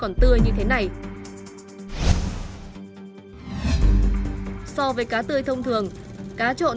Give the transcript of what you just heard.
loại này nó ngon hơn